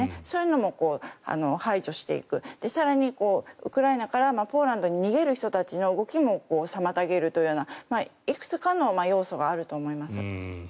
そういうのも排除していく更に、ウクライナからポーランドに逃げる人たちの動きも妨げるというようないくつかの要素があると思います。